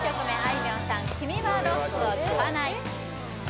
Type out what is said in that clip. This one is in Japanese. いみょんさん「君はロックを聴かない」